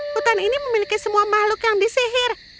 hutan ini memiliki semua makhluk yang disihir